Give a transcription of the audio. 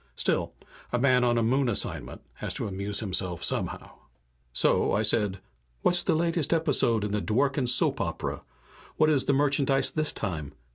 Still, a man on a Moon assignment has to amuse himself somehow. So I said, "What's the latest episode in the Dworken soap opera? What is the merchandise this time?